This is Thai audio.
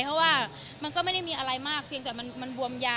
เพราะว่ามันก็ไม่ได้มีอะไรมากเพียงแต่มันบวมยา